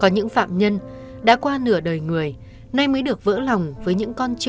những phạm nhân đã qua nửa đời người nay mới được vỡ lòng với những con chữ